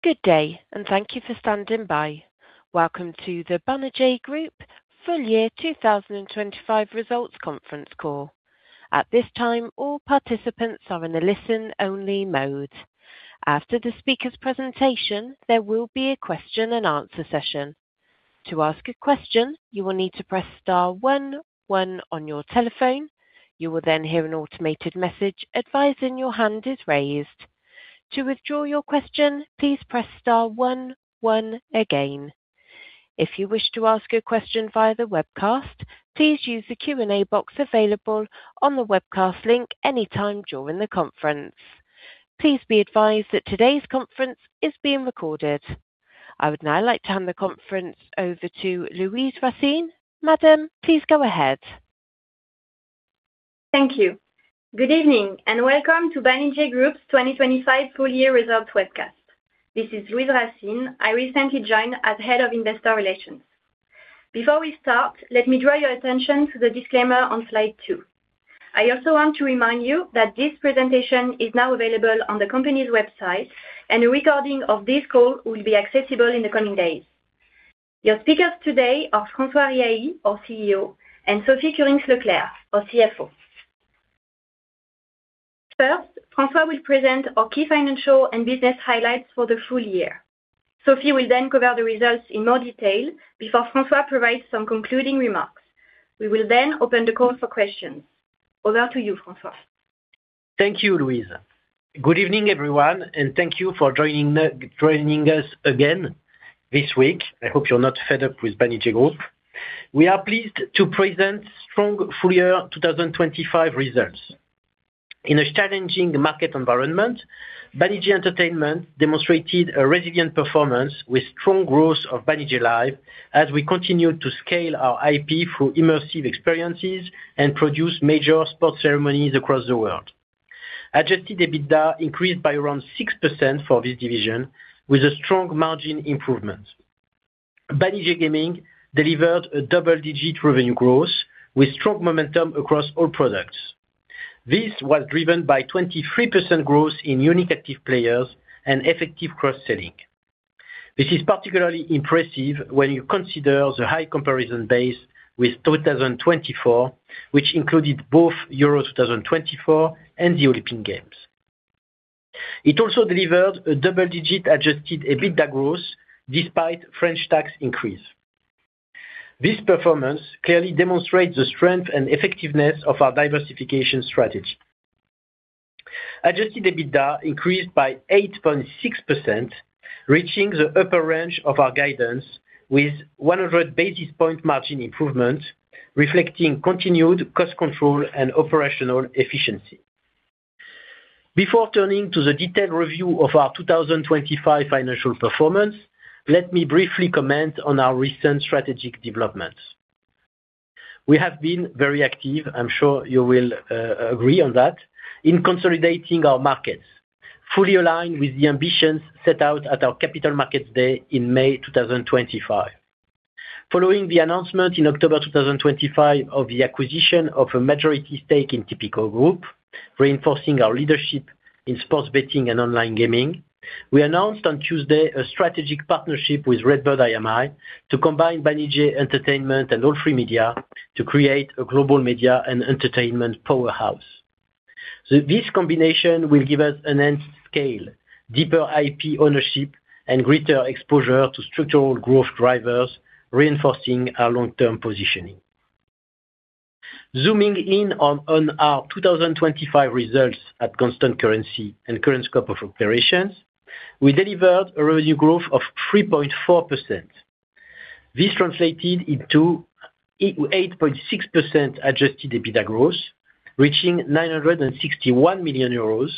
Good day. Thank you for standing by. Welcome to the Banijay Group full year 2025 results conference call. At this time, all participants are in a listen-only mode. After the speaker's presentation, there will be a question-and-answer session. To ask a question, you will need to press star one one on your telephone. You will hear an automated message advising your hand is raised. To withdraw your question, please press star one one again. If you wish to ask a question via the webcast, please use the Q&A box available on the webcast link any time during the conference. Please be advised that today's conference is being recorded. I would now like to hand the conference over to Louise Racine. Madam, please go ahead. Thank you. Good evening, and welcome to Banijay Group's 2025 full year results webcast. This is Louise Racine. I recently joined as Head of Investor Relations. Before we start, let me draw your attention to the disclaimer on slide two. I also want to remind you that this presentation is now available on the company's website, and a recording of this call will be accessible in the coming days. Your speakers today are Marco Bassetti, our CEO, and Cédric Brignon, our CFO. First, Marco Bassetti will present our key financial and business highlights for the full year. Cédric Brignon will then cover the results in more detail before Marco Bassetti provides some concluding remarks. We will then open the call for questions. Over to you, Marco Bassetti. Thank you, Louise. Good evening, everyone, and thank you for joining us again this week. I hope you're not fed up with Banijay Group. We are pleased to present strong full year 2025 results. In a challenging market environment, Banijay Entertainment demonstrated a resilient performance with strong growth of Banijay Live as we continued to scale our IP through immersive experiences and produce major sports ceremonies across the world. Adjusted EBITDA increased by around 6% for this division with a strong margin improvement. Banijay Gaming delivered a double-digit revenue growth with strong momentum across all products. This was driven by 23% growth in unique active players and effective cross-selling. This is particularly impressive when you consider the high comparison base with 2024, which included both Euro 2024 and the Olympic Games. It also delivered a double-digit Adjusted EBITDA growth despite French tax increase. This performance clearly demonstrates the strength and effectiveness of our diversification strategy. Adjusted EBITDA increased by 8.6%, reaching the upper range of our guidance with 100 basis point margin improvement, reflecting continued cost control and operational efficiency. Before turning to the detailed review of our 2025 financial performance, let me briefly comment on our recent strategic developments. We have been very active, I'm sure you will agree on that, in consolidating our markets, fully aligned with the ambitions set out at our Capital Markets Day in May 2025. Following the announcement in October two thousand twenty-five of the acquisition of a majority stake in Tipico Group, reinforcing our leadership in sports betting and online gaming, we announced on Tuesday a strategic partnership with RedBird IMI to combine Banijay Entertainment and All3Media to create a global media and entertainment powerhouse. This combination will give us enhanced scale, deeper IP ownership, and greater exposure to structural growth drivers, reinforcing our long-term positioning. Zooming in on our 2025 results at constant currency and current scope of operations, we delivered a revenue growth of 3.4%. This translated into 8.6% adjusted EBITDA growth, reaching 961 million euros,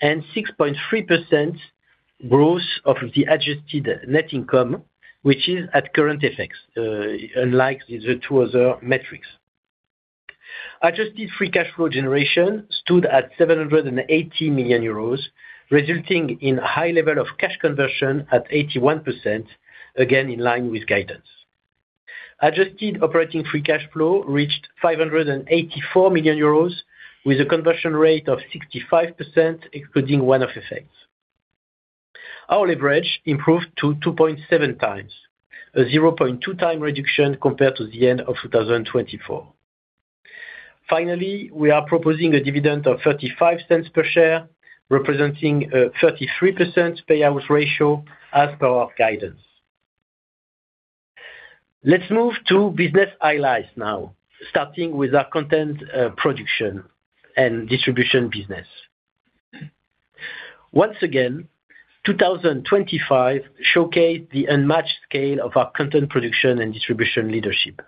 and 6.3% growth of the adjusted net income, which is at current effects, unlike the two other metrics. Adjusted free cash flow generation stood at 780 million euros, resulting in high level of cash conversion at 81%, again in line with guidance. Adjusted operating free cash flow reached 584 million euros with a conversion rate of 65%, excluding one-off effects. Our leverage improved to 2.7x, a 0.2x reduction compared to the end of 2024. We are proposing a dividend of 0.35 per share, representing a 33% payout ratio as per our guidance. Let's move to business highlights now, starting with our content production and distribution business. Once again, 2025 showcased the unmatched scale of our content production and distribution leadership.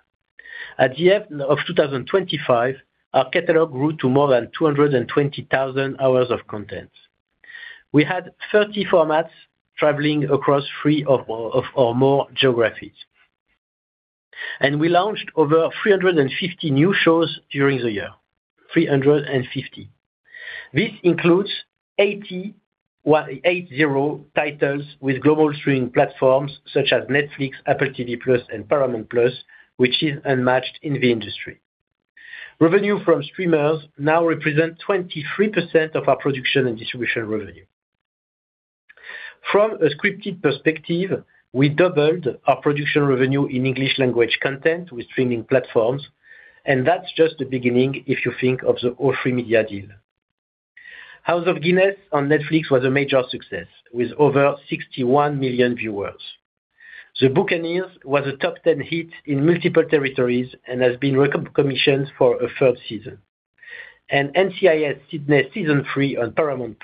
At the end of 2025, our catalog grew to more than 220,000 hours of content. We had 30 formats traveling across three of or more geographies, we launched over 350 new shows during the year. 350. This includes 80 titles with global streaming platforms such as Netflix, Apple TV+ and Paramount+, which is unmatched in the industry. Revenue from streamers now represent 23% of our production and distribution revenue. From a scripted perspective, we doubled our production revenue in English language content with streaming platforms, and that's just the beginning if you think of the All3Media deal. House of Guinness on Netflix was a major success with over 61 million viewers. The Buccaneers was a top 10 hit in multiple territories and has been re-commissioned for a third season. NCIS: Sydney Season three on Paramount+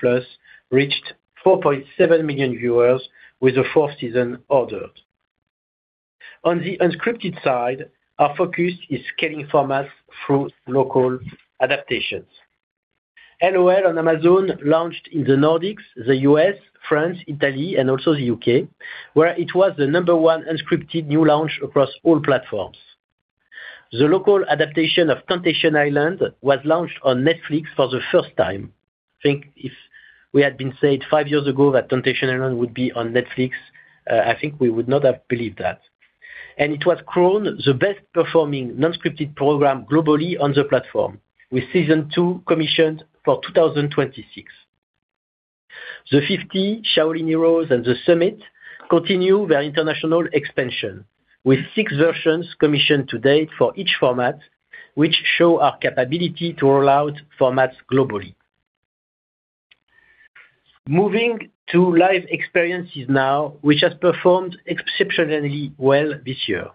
reached 4.7 million viewers with a fourth season ordered. On the unscripted side, our focus is scaling formats through local adaptations. LOL on Amazon launched in the Nordics, the U.S., France, Italy, and also the U.K., where it was the number one unscripted new launch across all platforms. The local adaptation of Temptation Island was launched on Netflix for the first time. I think if we had been said five years ago that Temptation Island would be on Netflix, I think we would not have believed that. It was crowned the best performing non-scripted program globally on the platform, with season two commissioned for 2026. The Fifty, Shaolin Heroes, and The Summit continue their international expansion, with six versions commissioned to date for each format, which show our capability to roll out formats globally. Moving to live experiences now, which has performed exceptionally well this year.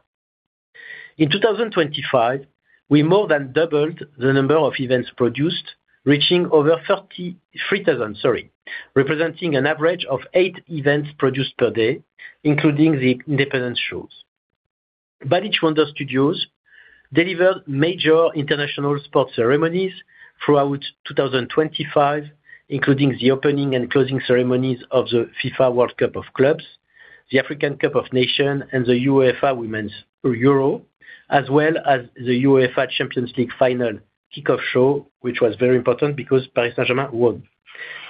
In 2025, we more than doubled the number of events produced, reaching over 33,000, sorry, representing an average of eight events produced per day, including the independent shows. Balich Wonder Studio delivered major international sports ceremonies throughout 2025, including the opening and closing ceremonies of the FIFA Club World Cup, the Africa Cup of Nations, and the UEFA Women's Euro, as well as the UEFA Champions League Final Kick Off Show, which was very important because Paris Saint-Germain won.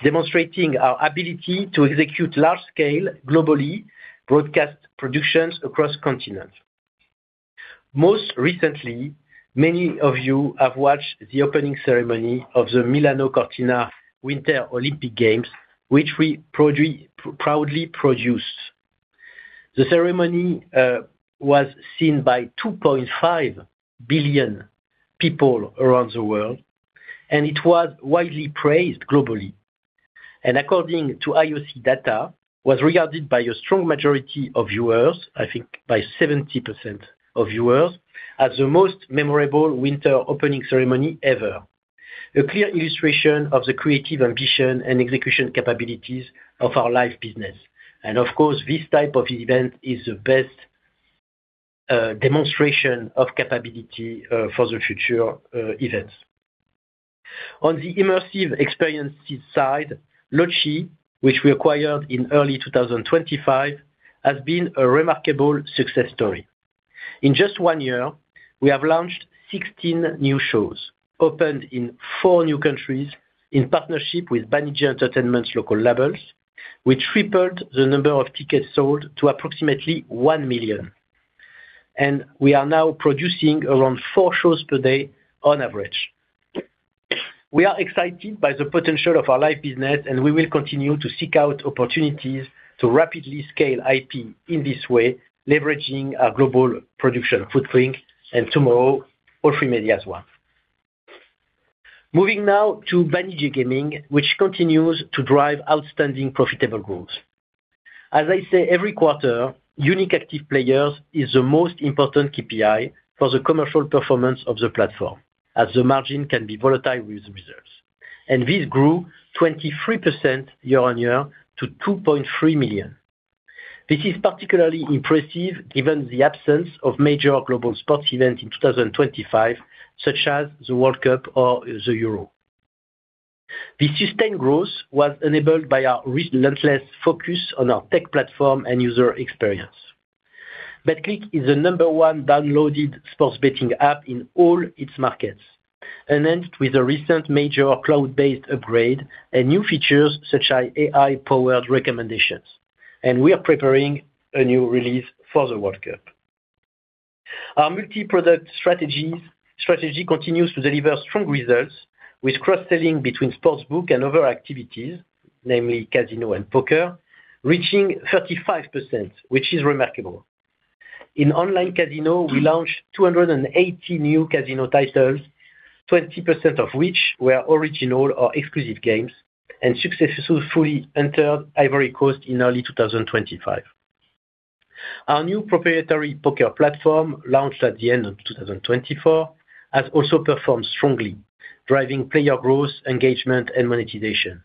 Demonstrating our ability to execute large scale globally broadcast productions across continents. Most recently, many of you have watched the opening ceremony of the Milano Cortina Winter Olympic Games, which we proudly produced. The ceremony was seen by 2.5 billion people around the world, it was widely praised globally. According to IOC data, was regarded by a strong majority of viewers, I think by 70% of viewers, as the most memorable winter opening ceremony ever. A clear illustration of the creative ambition and execution capabilities of our live business. Of course, this type of event is the best demonstration of capability for the future events. On the immersive experiences side, LOTCHI, which we acquired in early 2025, has been a remarkable success story. In just one year, we have launched 16 new shows, opened in four new countries in partnership with Banijay Entertainment's local labels, which tripled the number of tickets sold to approximately 1 million. We are now producing around four shows per day on average. We are excited by the potential of our live business. We will continue to seek out opportunities to rapidly scale IP in this way, leveraging our global production footprint. Tomorrow, All3Media as one. Moving now to Banijay Gaming, which continues to drive outstanding profitable growth. As I say every quarter, unique active players is the most important KPI for the commercial performance of the platform, as the margin can be volatile with the results. This grew 23% year-on-year to 2.3 million. This is particularly impressive given the absence of major global sports events in 2025, such as the World Cup or the Euro. This sustained growth was enabled by our relentless focus on our tech platform and user experience. Betclic is the number one downloaded sports betting app in all its markets, enhanced with a recent major cloud-based upgrade and new features such as AI-powered recommendations. We are preparing a new release for the World Cup. Our multi-product strategy continues to deliver strong results with cross-selling between Sportsbook and other activities, namely Casino and Poker, reaching 35%, which is remarkable. In online casino, we launched 280 new casino titles, 20% of which were original or exclusive games and successfully entered Ivory Coast in early 2025. Our new proprietary poker platform, launched at the end of 2024, has also performed strongly, driving player growth, engagement, and monetization.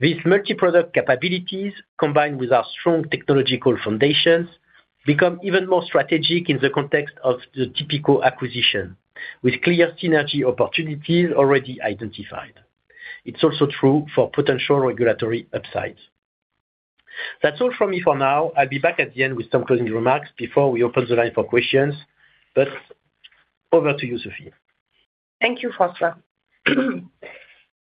These multi-product capabilities, combined with our strong technological foundations, become even more strategic in the context of the Tipico acquisition, with clear synergy opportunities already identified. It's also true for potential regulatory upsides. That's all from me for now. I'll be back at the end with some closing remarks before we open the line for questions. Over to you, Cédric Brignon. Thank you, Francois.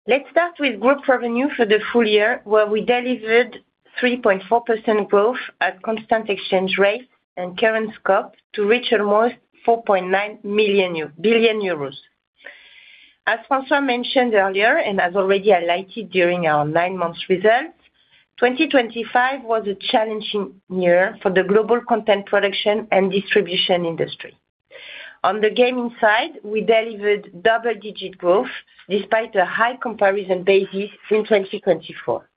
Let's start with group revenue for the full year, where we delivered 3.4% growth at constant exchange rate and current scope to reach almost 4.9 billion euros. As Francois mentioned earlier, and as already highlighted during our 9 months results, 2025 was a challenging year for the global content production and distribution industry. On the gaming side, we delivered double-digit growth despite a high comparison basis in 2024.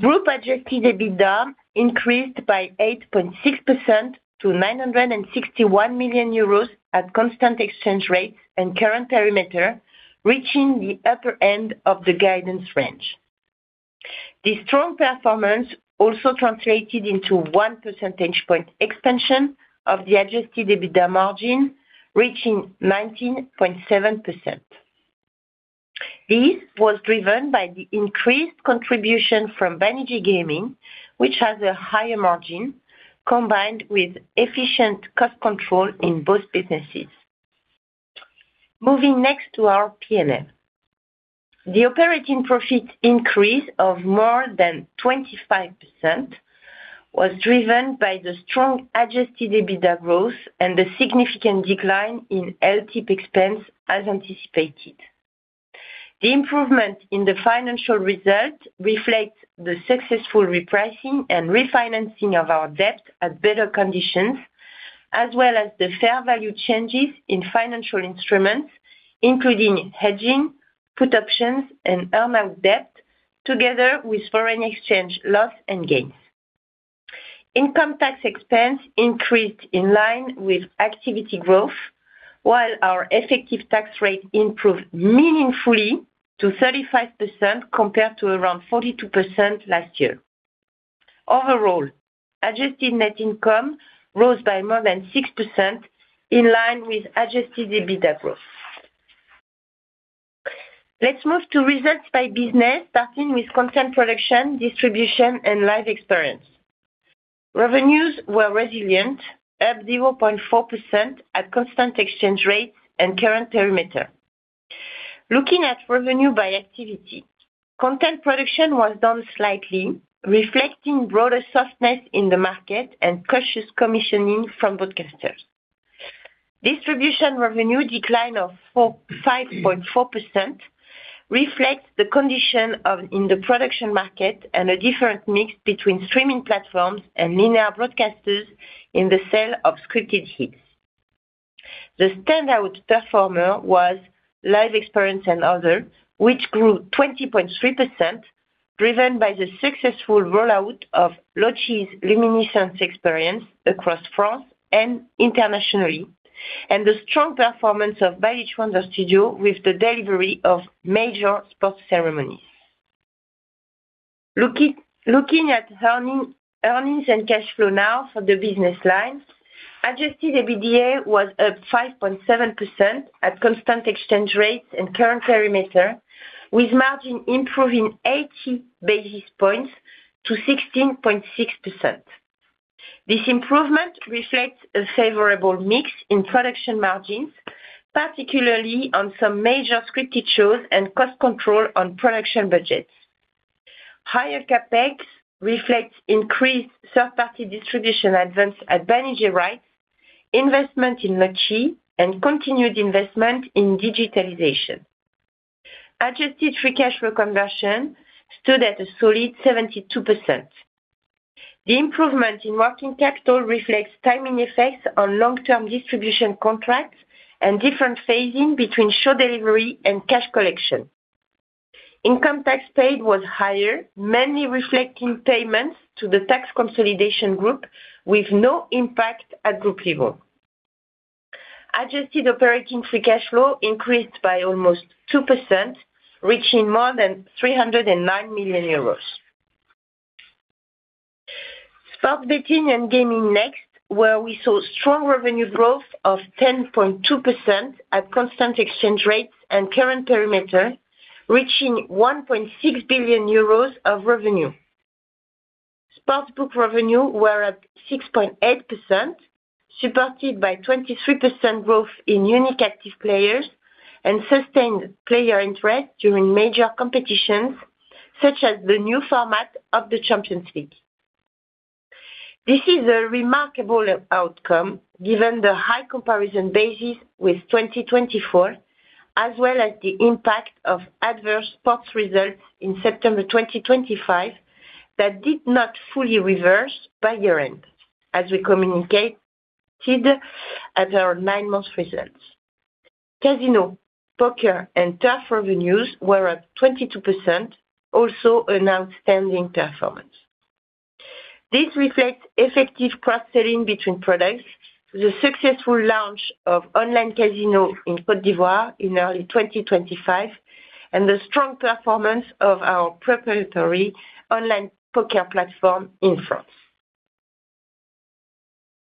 Group Adjusted EBITDA increased by 8.6% to 961 million euros at constant exchange rate and current perimeter, reaching the upper end of the guidance range. This strong performance also translated into 1 percentage point expansion of the Adjusted EBITDA margin, reaching 19.7%. This was driven by the increased contribution from Banijay Gaming, which has a higher margin, combined with efficient cost control in both businesses. Moving next to our P&L. The operating profit increase of more than 25% was driven by the strong Adjusted EBITDA growth and the significant decline in LTIP expense as anticipated. The improvement in the financial result reflects the successful repricing and refinancing of our debt at better conditions, as well as the fair value changes in financial instruments, including hedging, put options, and earn-out debt, together with foreign exchange loss and gains. Income tax expense increased in line with activity growth, while our effective tax rate improved meaningfully to 35% compared to around 42% last year. Overall, Adjusted Net Income rose by more than 6% in line with Adjusted EBITDA growth. Let's move to results by business, starting with content production, distribution and live experience. Revenues were resilient, up 0.4% at constant exchange rate and current perimeter. Looking at revenue by activity. Content production was down slightly, reflecting broader softness in the market and cautious commissioning from broadcasters. Distribution revenue decline of 5.4% reflects the condition in the production market and a different mix between streaming platforms and linear broadcasters in the sale of scripted hits. The standout performer was live experience and other, which grew 20.3%, driven by the successful rollout of L'Occitane's Luminiscence experience across France and internationally, and the strong performance of Balich Wonder Studio with the delivery of major sports ceremonies. Looking at earnings and cash flow now for the business lines. Adjusted EBITDA was up 5.7% at constant exchange rates and current perimeter, with margin improving 80 basis points to 16.6%. This improvement reflects a favorable mix in production margins, particularly on some major scripted shows and cost control on production budgets. Higher CapEx reflects increased third-party distribution events at Banijay Rights, investment in L'Occitane, and continued investment in digitalization. Adjusted free cash flow conversion stood at a solid 72%. The improvement in working capital reflects timing effects on long-term distribution contracts and different phasing between show delivery and cash collection. Income tax paid was higher, mainly reflecting payments to the tax consolidation group with no impact at group level. Adjusted operating free cash flow increased by almost 2%, reaching more than 309 million euros. Sports betting and Gaming next, where we saw strong revenue growth of 10.2% at constant exchange rates and current perimeter, reaching 1.6 billion euros of revenue. Sportsbook revenue were up 6.8%, supported by 23% growth in unique active players and sustained player interest during major competitions, such as the new format of the Champions League. This is a remarkable outcome given the high comparison basis with 2024, as well as the impact of adverse sports results in September 2025 that did not fully reverse by year-end, as we communicated at our nine months results. Casino, Poker, and turf revenues were up 22%, also an outstanding performance. This reflects effective cross-selling between products, the successful launch of online Casino in Côte d'Ivoire in early 2025, and the strong performance of our preparatory online Poker platform in France.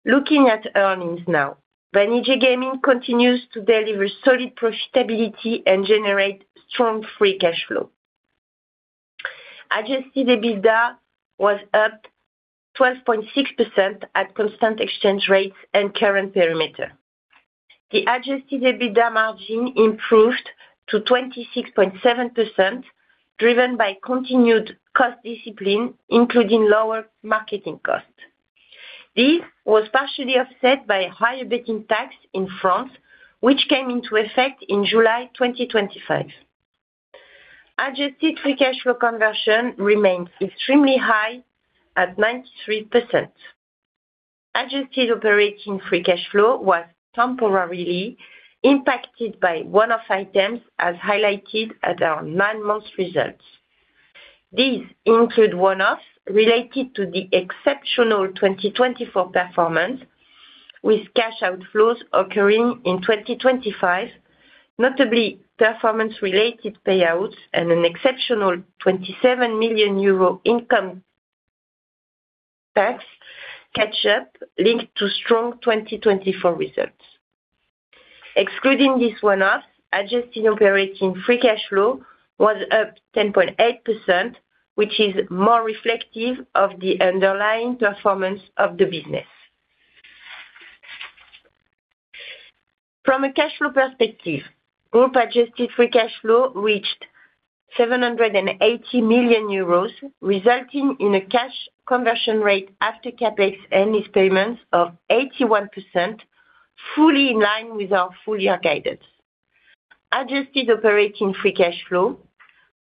Looking at earnings now. Banijay Gaming continues to deliver solid profitability and generate strong free cash flow. Adjusted EBITDA was up 12.6% at constant exchange rates and current perimeter. The adjusted EBITDA margin improved to 26.7%, driven by continued cost discipline, including lower marketing costs. This was partially offset by higher betting tax in France, which came into effect in July 2025. Adjusted free cash flow conversion remains extremely high at 93%. Adjusted operating free cash flow was temporarily impacted by one-off items, as highlighted at our nine months results. These include one-offs related to the exceptional 2024 performance, with cash outflows occurring in 2025, notably performance-related payouts and an exceptional 27 million euro income tax catch-up linked to strong 2024 results. Excluding this one-off, adjusted operating free cash flow was up 10.8%, which is more reflective of the underlying performance of the business. From a cash flow perspective, group adjusted free cash flow reached 780 million euros, resulting in a cash conversion rate after CapEx and lease payments of 81%, fully in line with our full year guidance. Adjusted operating free cash flow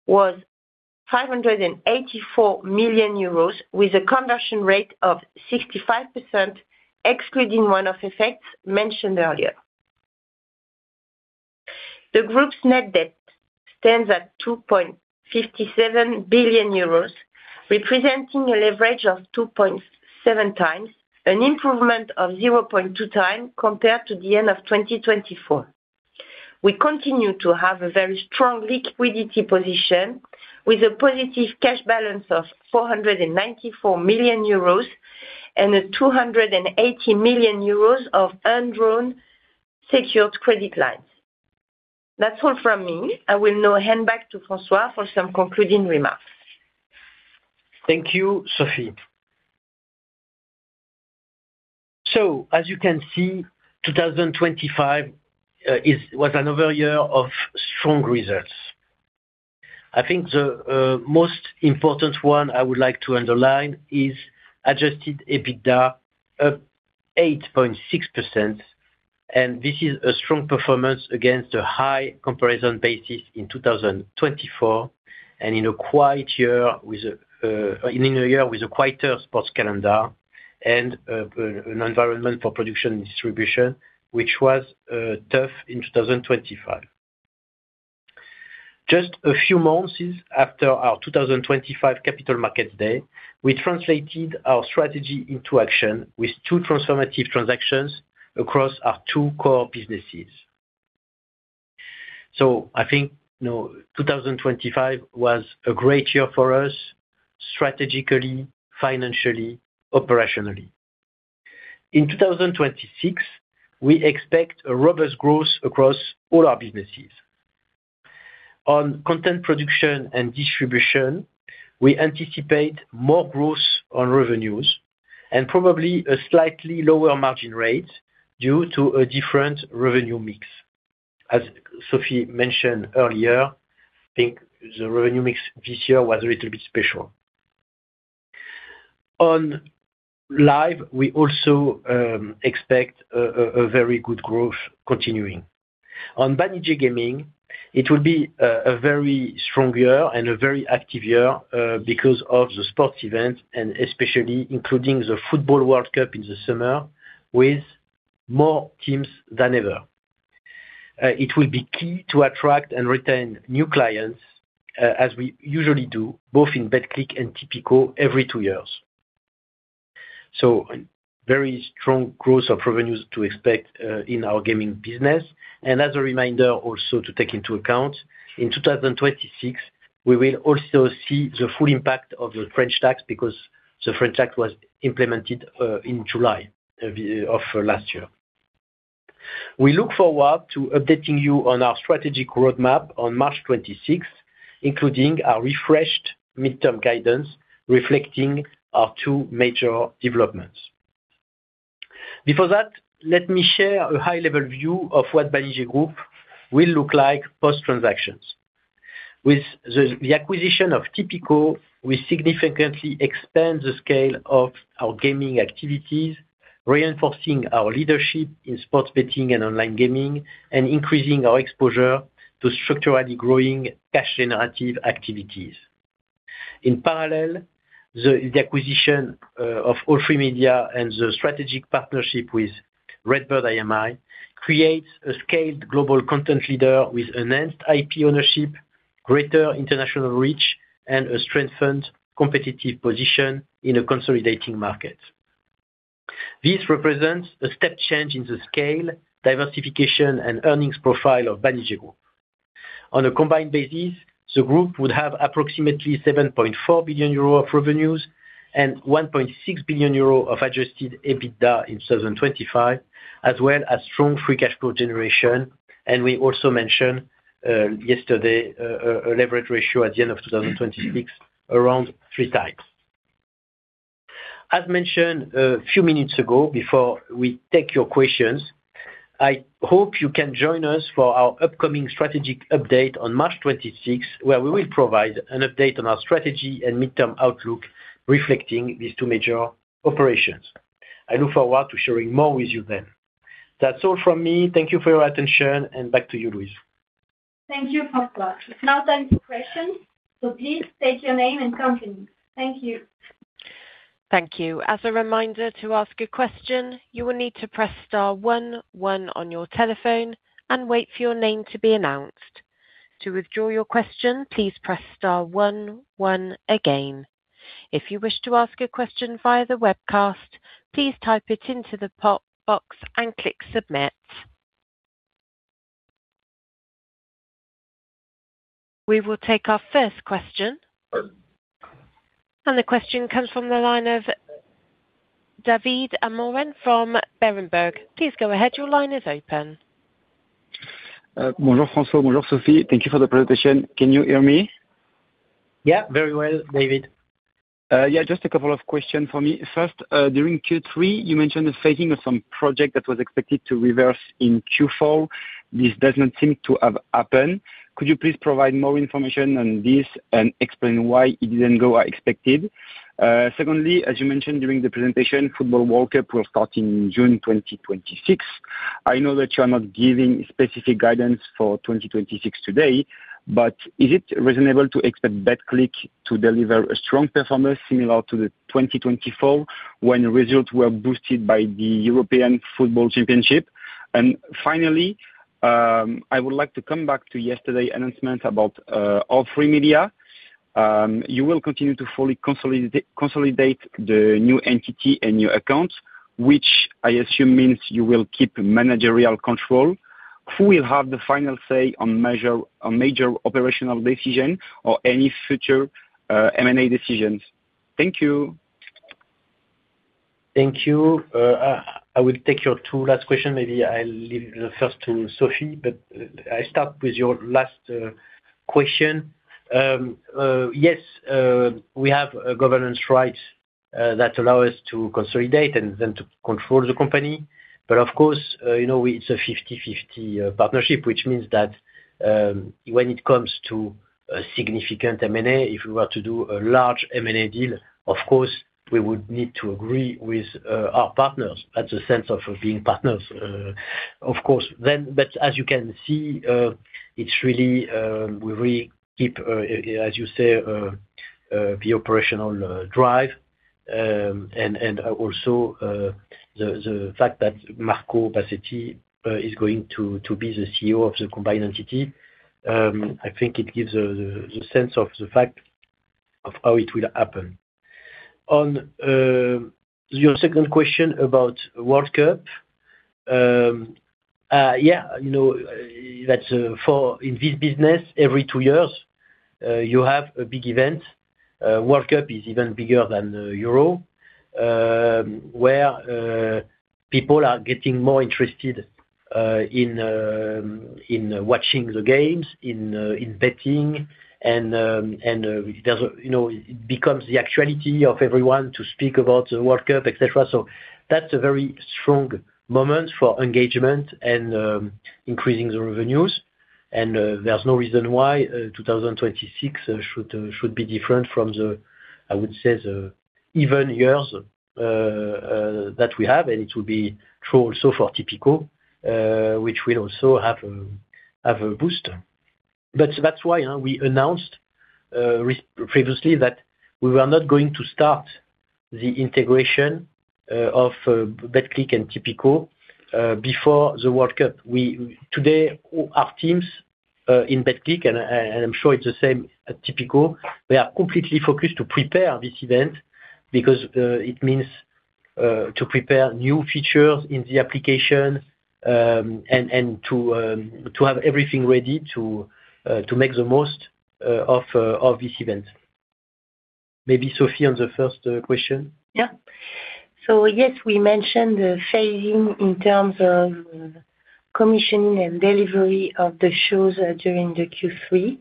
was 584 million euros with a conversion rate of 65%, excluding one-off effects mentioned earlier. The group's net debt stands at 2.57 billion euros, representing a leverage of 2.7x, an improvement of 0.2x compared to the end of 2024. We continue to have a very strong liquidity position with a positive cash balance of 494 million euros and 280 million euros of undrawn secured credit lines. That's all from me. I will now hand back to François for some concluding remarks. Thank you, Cédric Brignon. As you can see, 2025 was another year of strong results. I think the most important one I would like to underline is Adjusted EBITDA up 8.6%. This is a strong performance against a high comparison basis in 2024 and in a year with a quieter sports calendar and an environment for production distribution, which was tough in 2025. Just a few months after our 2025 Capital Markets Day, we translated our strategy into action with two transformative transactions across our two core businesses. I think, you know, 2025 was a great year for us strategically, financially, operationally. In 2026, we expect a robust growth across all our businesses. On content production and distribution, we anticipate more growth on revenues and probably a slightly lower margin rate due to a different revenue mix. As Sophie mentioned earlier, I think the revenue mix this year was a little bit special. On live, we also expect a very good growth continuing. On Banijay Gaming, it will be a very strong year and a very active year because of the sports event and especially including the football World Cup in the summer with more teams than ever. It will be key to attract and retain new clients as we usually do, both in Betclic and Tipico every two years. Very strong growth of revenues to expect in our gaming business. As a reminder also to take into account, in 2026, we will also see the full impact of the French tax because the French tax was implemented in July of last year. We look forward to updating you on our strategic roadmap on March 26th, including our refreshed midterm guidance reflecting our two major developments. Before that, let me share a high-level view of what Banijay Group will look like post-transactions. With the acquisition of Tipico, we significantly expand the scale of our gaming activities, reinforcing our leadership in sports betting and online gaming, and increasing our exposure to structurally growing cash generative activities. In parallel, the acquisition of All3Media and the strategic partnership with RedBird IMI creates a scaled global content leader with enhanced IP ownership, greater international reach, and a strengthened competitive position in a consolidating market. This represents a step change in the scale, diversification, and earnings profile of Banijay Group. On a combined basis, the group would have approximately 7.4 billion euro of revenues and 1.6 billion euro of Adjusted EBITDA in 2025, as well as strong free cash flow generation. We also mentioned yesterday a leverage ratio at the end of 2026 around 3x. As mentioned a few minutes ago, before we take your questions, I hope you can join us for our upcoming strategic update on March 26th, where we will provide an update on our strategy and midterm outlook reflecting these two major operations. I look forward to sharing more with you then. That's all from me. Thank you for your attention and back to you, Louise. Thank you, Francois. It's now time for questions, so please state your name and company. Thank you. Thank you. As a reminder, to ask a question, you will need to press star one one on your telephone and wait for your name to be announced. To withdraw your question, please press star one one again. If you wish to ask a question via the webcast, please type it into the pop box and click Submit. We will take our first question. The question comes from the line of David Amoren from Berenberg. Please go ahead. Your line is open. Bonjour, Francois. Bonjour, Sophie. Thank you for the presentation. Can you hear me? Yeah, very well, David. Yeah, just a couple of questions for me. First, during Q3, you mentioned the phasing of some project that was expected to reverse in Q4. This does not seem to have happened. Could you please provide more information on this and explain why it didn't go as expected? Secondly, as you mentioned during the presentation, Football World Cup will start in June 2026. I know that you are not giving specific guidance for 2026 today, but is it reasonable to expect Betclic to deliver a strong performance similar to 2024 when results were boosted by the European Football Championship? Finally, I would like to come back to yesterday announcement about All3Media. You will continue to fully consolidate the new entity and new accounts, which I assume means you will keep managerial control. Who will have the final say on major operational decision or any future M&A decisions? Thank you. Thank you. I will take your two last question. Maybe I'll leave the first to Sophie, but I start with your last question. Yes, we have governance rights that allow us to consolidate and then to control the company. Of course, you know, it's a 50/50 partnership, which means that when it comes to a significant M&A, if we were to do a large M&A deal, of course, we would need to agree with our partners. That's the sense of being partners. Of course. As you can see, it's really, we really keep, as you say, the operational drive. Also, the fact that Marco Bassetti is going to be the CEO of the combined entity, I think it gives the sense of the fact of how it will happen. On your second question about World Cup. Yeah, you know, that's for in this business, every two years, you have a big event. World Cup is even bigger than Euro, where people are getting more interested in watching the games, in betting. You know, it becomes the actuality of everyone to speak about the World Cup, et cetera. That's a very strong moment for engagement and increasing the revenues. There's no reason why 2026 should be different from the, I would say, the even years that we have. It will be true also for Tipico, which will also have a boost. That's why we announced previously that we were not going to start the integration of Betclic and Tipico before the World Cup. Today, our teams in Betclic, and I'm sure it's the same at Tipico, they are completely focused to prepare this event because it means to prepare new features in the application, and to have everything ready to make the most of this event. Maybe Sophie on the first question. Yeah. Yes, we mentioned the phasing in terms of commissioning and delivery of the shows during the Q3.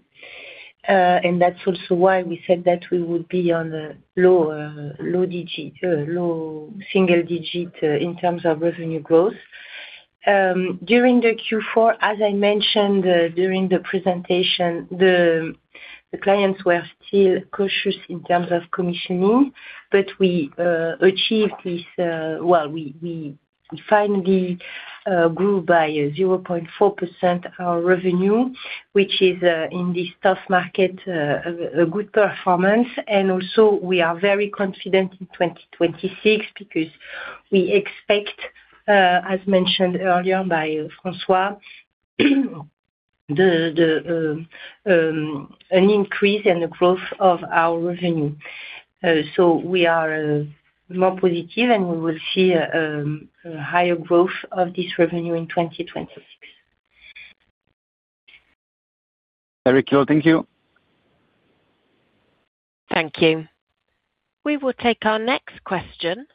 That's also why we said that we would be on a lower, low digit, low single digit in terms of revenue growth. During the Q4, as I mentioned during the presentation, the clients were still cautious in terms of commissioning. We achieved this, we finally grew by 0.4% our revenue, which is in this tough market, a good performance. We are very confident in 2026 because we expect, as mentioned earlier by Francois, an increase in the growth of our revenue. We are more positive and we will see a higher growth of this revenue in 2026. Very clear. Thank you. Thank you. We will take our next question.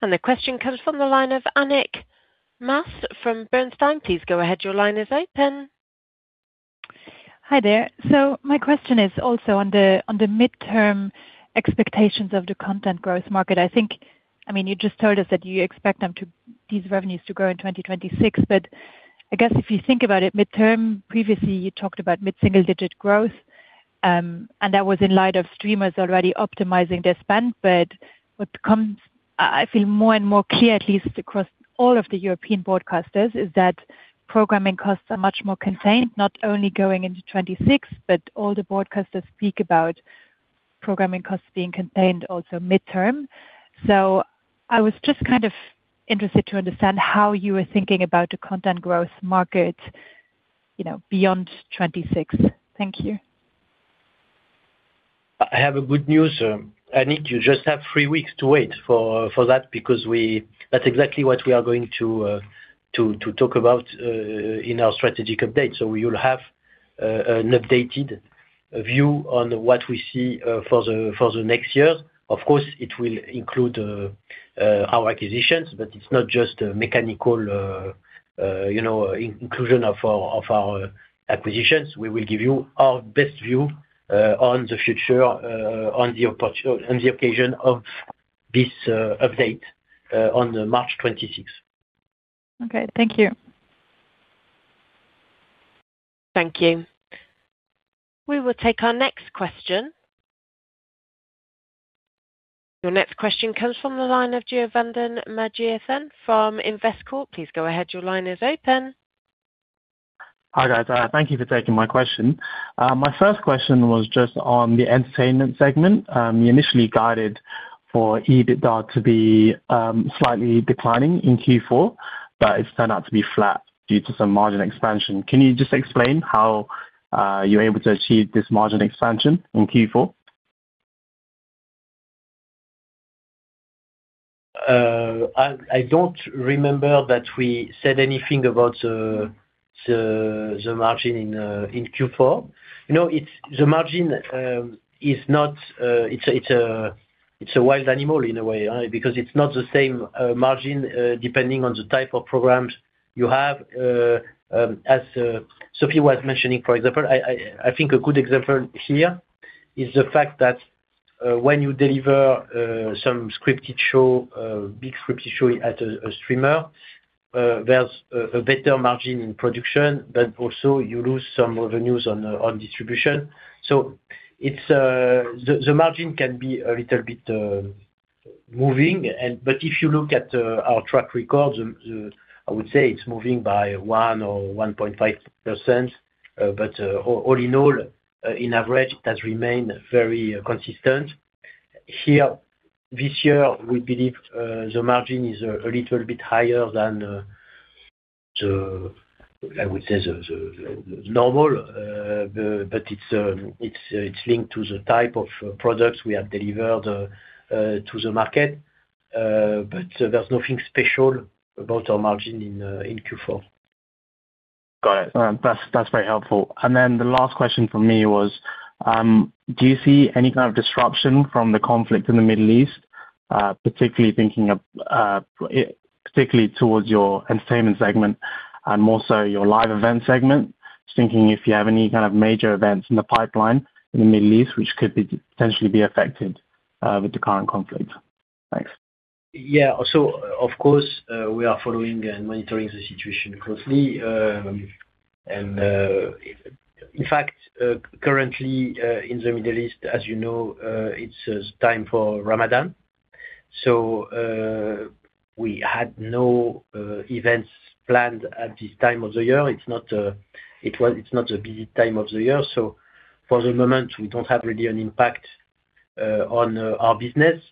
The question comes from the line of Annick Maas from Bernstein. Please go ahead. Your line is open. Hi there. My question is also on the, on the midterm expectations of the content growth market. You just told us that you expect them to... these revenues to grow in 2026, I guess if you think about it midterm, previously you talked about mid-single digit growth, and that was in light of streamers already optimizing their spend. What becomes, I feel, more and more clear, at least across all of the European broadcasters, is that programming costs are much more contained, not only going into 2026, but all the broadcasters speak about programming costs being contained also midterm. I was just kind of interested to understand how you were thinking about the content growth market, you know, beyond 2026. Thank you. I have a good news. I need to just have three weeks to wait for that because that's exactly what we are going to talk about in our strategic update. You'll have an updated view on what we see for the next year. Of course, it will include our acquisitions, but it's not just a mechanical, you know, inclusion of our acquisitions. We will give you our best view on the future on the occasion of this update on March 2026. Okay. Thank you. Thank you. We will take our next question. Your next question comes from the line of Giovannin Maggiason from Investcorp. Please go ahead. Your line is open. Hi, guys. Thank you for taking my question. My first question was just on the entertainment segment. You initially guided for EBITDA to be slightly declining in Q4, but it's turned out to be flat due to some margin expansion. Can you just explain how you're able to achieve this margin expansion in Q4? I don't remember that we said anything about the margin in Q4. You know, the margin is not a wild animal in a way, because it's not the same margin depending on the type of programs you have. As Cédric Brignon was mentioning, for example, I think a good example here is the fact that when you deliver some scripted show, big scripted show as a streamer, there's a better margin in production, but also you lose some revenues on distribution. It's the margin can be a little bit moving. If you look at our track record, I would say it's moving by 1% or 1.5%. But, all in all, in average, that remain very consistent. Here, this year, we believe the margin is a little bit higher than the, I would say the normal, but it's linked to the type of products we have delivered to the market. But there's nothing special about our margin in Q4. Got it. That's very helpful. The last question from me was, do you see any kind of disruption from the conflict in the Middle East, particularly thinking of, particularly towards your entertainment segment and more so your live event segment? Just thinking if you have any kind of major events in the pipeline in the Middle East, which could be potentially be affected with the current conflict. Thanks. Yeah. Of course, we are following and monitoring the situation closely. In fact, currently, in the Middle East, as you know, it's time for Ramadan. We had no events planned at this time of the year. It's not a busy time of the year, for the moment, we don't have really an impact on our business.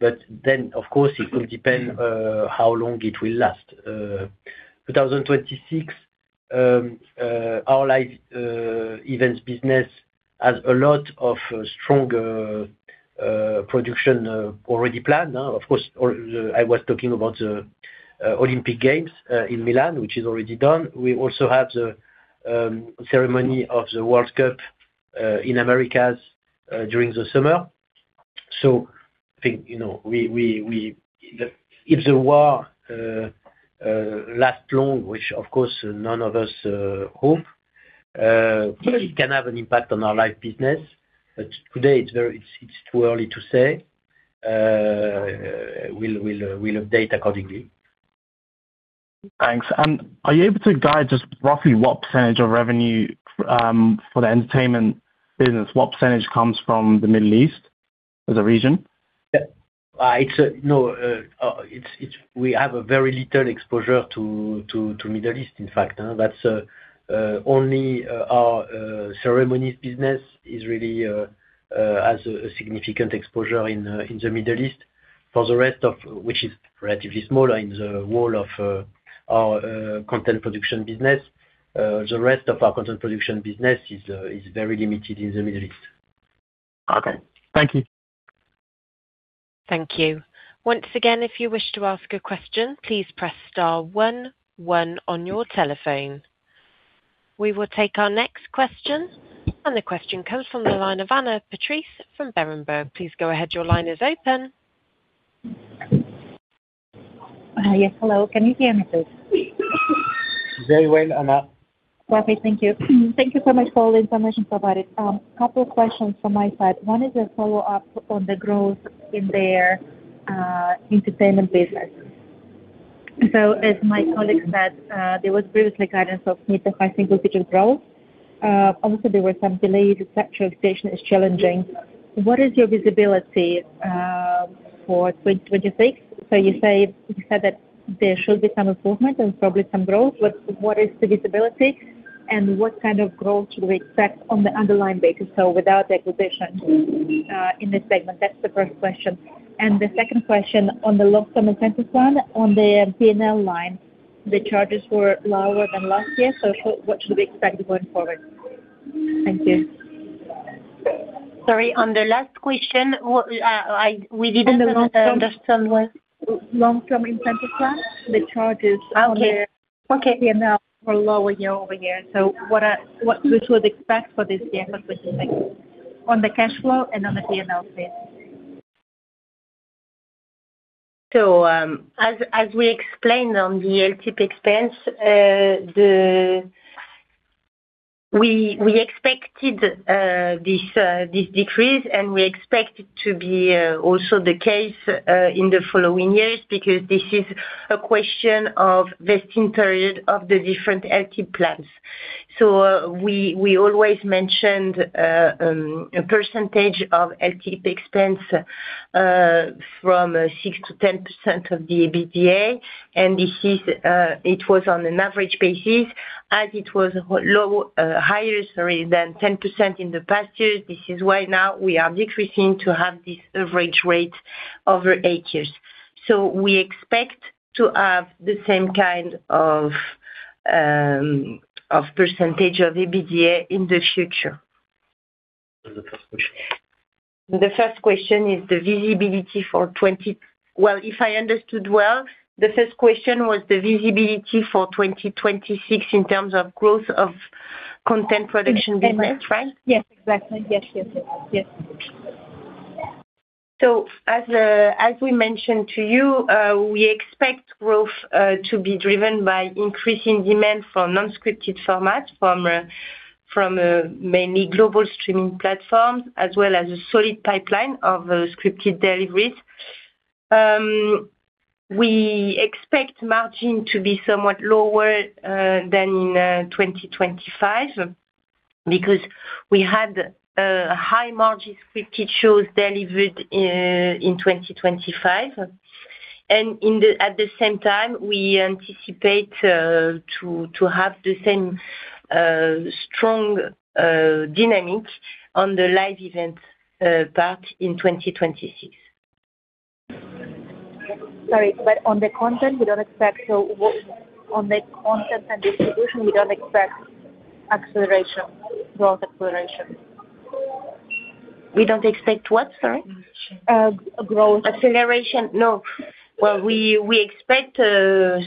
Of course, it will depend how long it will last. 2026, our live events business has a lot of strong production already planned. Of course, I was talking about the Olympic Games in Milan, which is already done. We also have the ceremony of the World Cup in Americas during the summer. I think, you know, we if the war lasts long, which of course, none of us hope, it can have an impact on our live business. Today it's too early to say. We'll update accordingly. Thanks. Are you able to guide just roughly what percentage of revenue for the entertainment business, what percentage comes from the Middle East as a region? Yeah. It's no. It's we have a very little exposure to Middle East, in fact. That's only our ceremonies business is really has a significant exposure in the Middle East. For the rest of which is relatively smaller in the role of our content production business. The rest of our content production business is very limited in the Middle East. Okay. Thank you. Thank you. Once again, if you wish to ask a question, please press star 11 on your telephone. We will take our next question. The question comes from the line of Anna Patrice from Berenberg. Please go ahead. Your line is open. Yes. Hello. Can you hear me please? Very well, Anna. Perfect. Thank you. Thank Thank you so much for all the information provided. Couple questions from my side. One is a follow-up on the growth in their entertainment business. As my colleague said, there was previously guidance of mid to high single digit growth. Also there were some delays, et cetera, expectation is challenging. What is your visibility for 2026? You said that there should be some improvement and probably some growth. What is the visibility and what kind of growth should we expect on the underlying basis, so without the acquisition, in this segment? That's the first question. The second question on the long term incentive plan on the P&L line, the charges were lower than last year, what should we expect going forward? Thank you. Sorry, on the last question, what, we didn't understand what- Long Term Incentive Plan. Okay. on the PNL were lower year-over-year. What we should expect for this year? What would you think? On the cash flow and on the PNL base. As we explained on the LTIP expense, we expected this decrease and we expect it to be also the case in the following years because this is a question of vesting period of the different LTIP plans. We always mentioned a percentage of LTIP expense from 6%-10% of the Adjusted EBITDA, and this is it was on an average basis as it was higher, sorry, than 10% in the past years. This is why now we are decreasing to have this average rate over 8 years. We expect to have the same kind of percentage of Adjusted EBITDA in the future. The first question? Well, if I understood well, the first question was the visibility for 2026 in terms of growth of content production business, right? Yes, exactly. Yes, yes. Yes. As we mentioned to you, we expect growth to be driven by increasing demand for non-scripted formats from, mainly global streaming platforms, as well as a solid pipeline of scripted deliveries. We expect margin to be somewhat lower than in 2025 because we had high margin scripted shows delivered in 2025. At the same time, we anticipate to have the same strong dynamic on the live event part in 2026. On the content and distribution, we don't expect acceleration, growth acceleration. We don't expect what, sorry? growth. Acceleration? No. Well, we expect a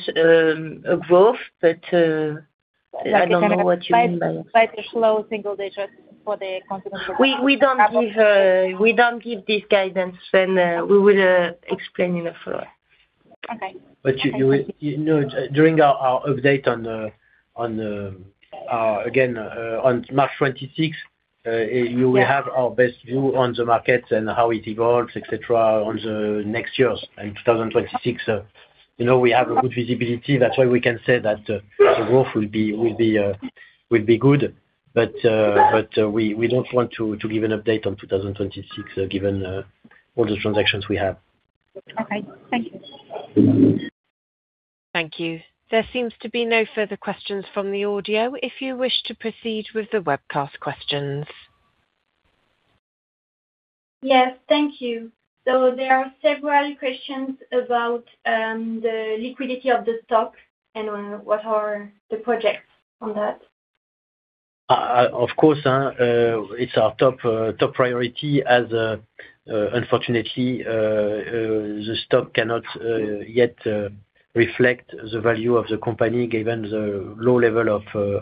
growth, but I don't know what you mean by that. Like a slow single digit for the content. We don't give this guidance and we will explain in the floor. Okay. You know, during our update on March 26th, you will have our best view on the market and how it evolves, et cetera, on the next years, in 2026. You know, we have a good visibility. That's why we can say that the growth will be good. We don't want to give an update on 2026 given all the transactions we have. Okay. Thank you. Thank you. There seems to be no further questions from the audio if you wish to proceed with the webcast questions. Yes. Thank you. There are several questions about the liquidity of the stock and what are the projects on that. Of course, it's our top priority as, unfortunately, the stock cannot yet reflect the value of the company given the low level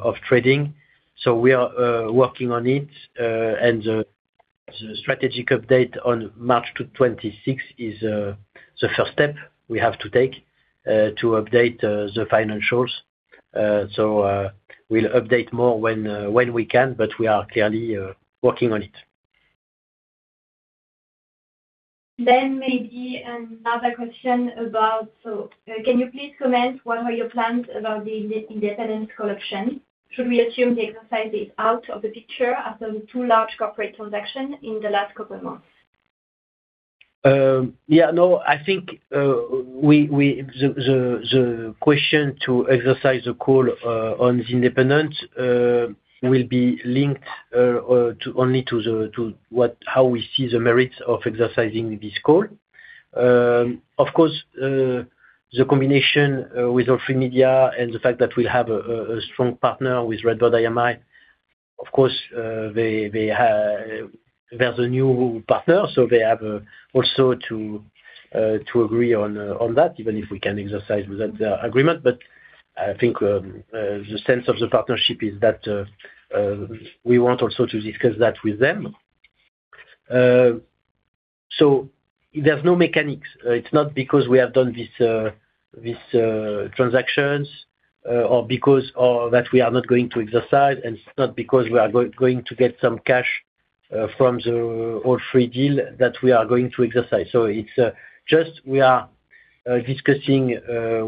of trading. We are working on it. The strategic update on March 26th is the first step we have to take to update the financials. We'll update more when we can, but we are clearly working on it. Can you please comment what are your plans about the independence call option? Should we assume the exercise is out of the picture after the two large corporate transactions in the last couple months? Yeah, no, I think, the question to exercise the call on the independence will be linked only to the, to what, how we see the merits of exercising this call. Of course, the combination with All3Media and the fact that we have a strong partner with RedBird IMI. Of course, they, there's a new partner, so they have also to agree on that, even if we can exercise without the agreement. I think, the sense of the partnership is that we want also to discuss that with them. There's no mechanics. It's not because we have done this transactions, or because of that we are not going to exercise. It's not because we are going to get some cash from the All3 deal that we are going to exercise. It's just we are discussing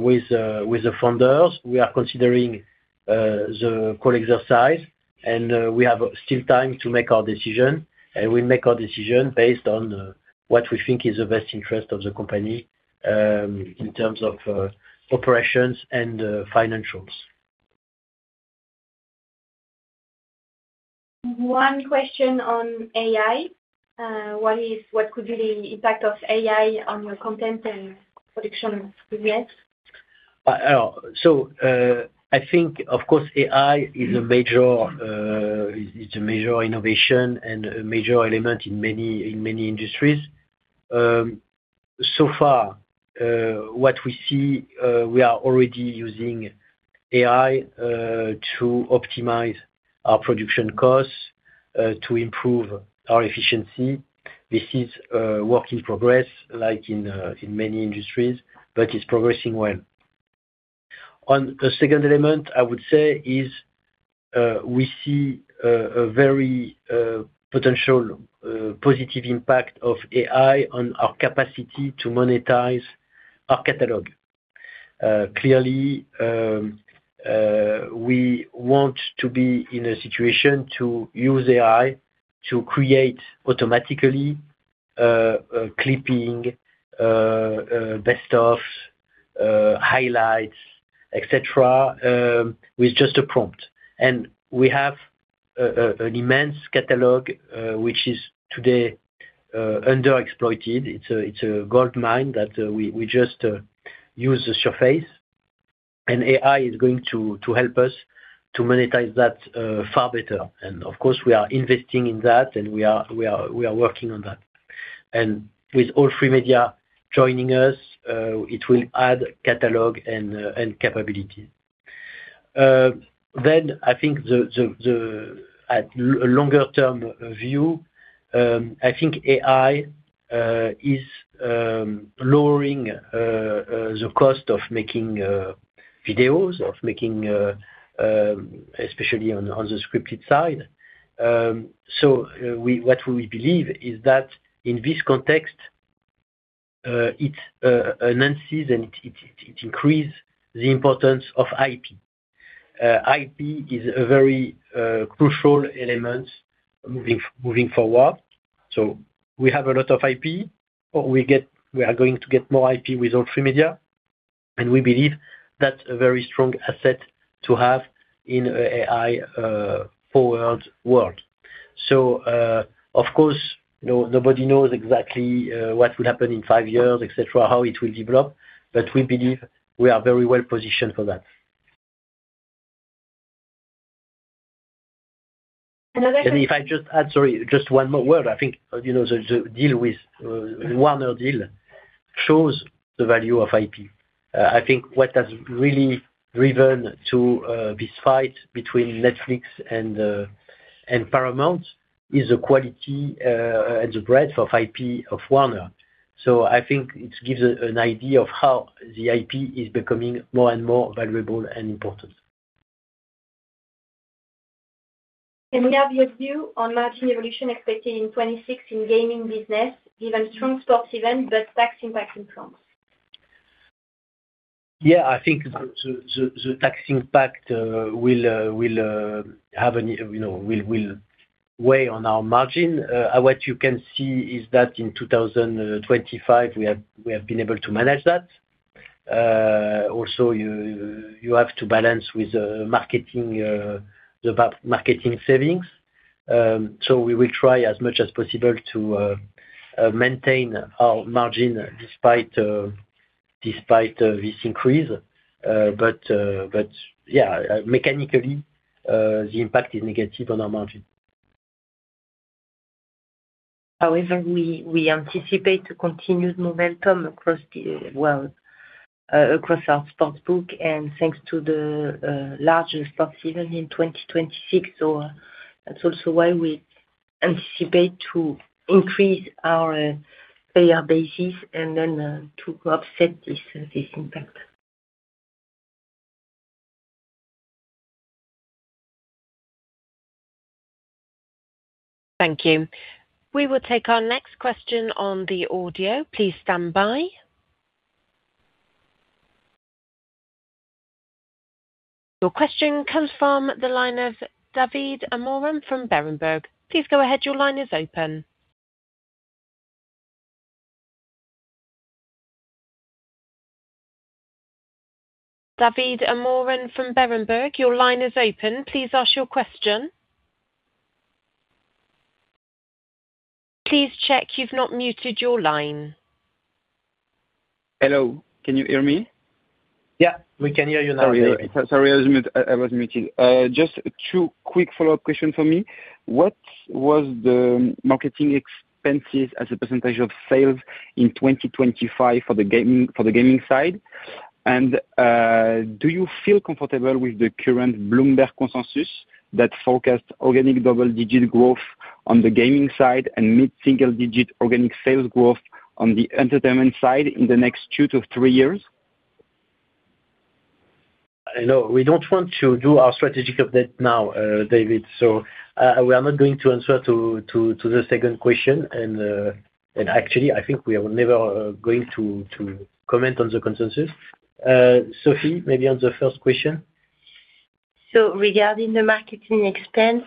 with the founders. We are considering the call exercise, and we have still time to make our decision. We make our decision based on what we think is the best interest of the company, in terms of operations and financials. One question on AI. What could be the impact of AI on your content and production of studios? I think of course, AI is a major innovation and a major element in many industries. So far, what we see, we are already using AI to optimize our production costs, to improve our efficiency. This is a work in progress like in many industries, but it's progressing well. On the second element, I would say is, we see a very potential positive impact of AI on our capacity to monetize our catalog. Clearly, we want to be in a situation to use AI to create automatically clipping, best of, highlights, etc., with just a prompt. We have an immense catalog, which is today underexploited. It's a goldmine that we just use the surface. AI is going to help us to monetize that far better. Of course, we are investing in that, and we are working on that. With All3Media joining us, it will add catalog and capability. I think at longer term view, I think AI is lowering the cost of making videos. Of making, especially on the scripted side. What we believe is that in this context, it enhances and it increase the importance of IP. IP is a very crucial element moving forward. We have a lot of IP. We get... We are going to get more IP with All3Media. We believe that's a very strong asset to have in AI, forward world. Of course, nobody knows exactly what will happen in five years, etc., how it will develop, but we believe we are very well positioned for that. Another thing- If I just add, sorry, just one more word. I think, you know, the deal with Warner deal shows the value of IP. I think what has really driven to this fight between Netflix and Paramount is the quality and the breadth of IP of Warner. I think it gives an idea of how the IP is becoming more and more valuable and important. Can we have your view on margin evolution expected in 2026 in Gaming Business given strong sports event but tax impact influence? Yeah, I think the tax impact, you know, will weigh on our margin. What you can see is that in 2025 we have been able to manage that. Also you have to balance with the marketing savings. We will try as much as possible to maintain our margin despite this increase. Yeah, mechanically, the impact is negative on our margin. We anticipate a continued momentum across the well, across our Sportsbook and thanks to the larger sports even in 2026. That's also why we anticipate to increase our payer basis and then to offset this impact. Thank you. We will take our next question on the audio. Please stand by. Your question comes from the line of David Amoren from Berenberg. Please go ahead. Your line is open. David Amoren from Berenberg, your line is open. Please ask your question. Please check you've not muted your line. Hello. Can you hear me? Yeah, we can hear you now, David. Sorry. Sorry, I was mute. I was muted. Just two quick follow-up questions for me. What was the marketing expenses as a percentage of sales in 2025 for the gaming side? Do you feel comfortable with the current Bloomberg consensus that forecast organic double-digit growth on the gaming side and mid-single digit organic sales growth on the entertainment side in the next two to three years? No, we don't want to do our strategic update now, David. We are not going to answer to the second question. Actually, I think we are never going to comment on the consensus. Sophie, maybe on the first question. Regarding the marketing expense,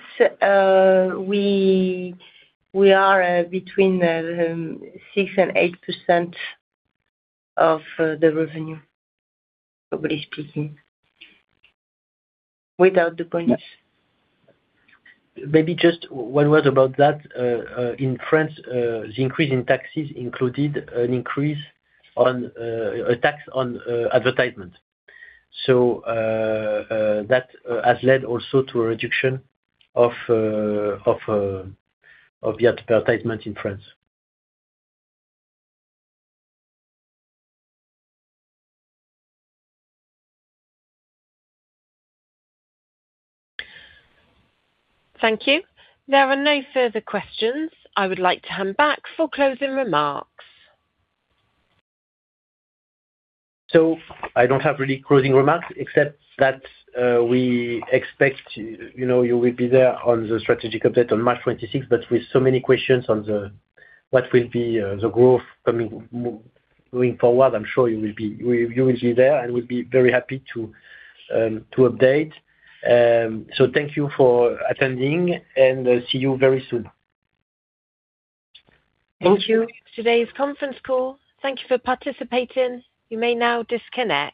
we are between 6% and 8% of the revenue, probably speaking. Without the points. Maybe just one word about that. In France, the increase in taxes included an increase on a tax on advertisement. That has led also to a reduction of the advertisement in France. Thank you. There are no further questions. I would like to hand back for closing remarks. I don't have really closing remarks, except that, we expect, you know, you will be there on the strategic update on March 2026. With so many questions on what will be, the growth going forward, I'm sure you will be there, and we'll be very happy to update. Thank you for attending, and see you very soon. Thank you. Today's conference call. Thank you for participating. You may now disconnect.